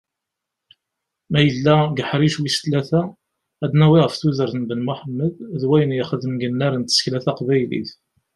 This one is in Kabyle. Ma yella deg uḥric wis tlata, ad d-nawwi ɣef tudert n Ben Muḥemmed d wayen yexdem deg wunar n tsekla taqbaylit.